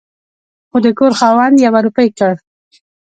خو د کور خاوند يوه روپۍ کړ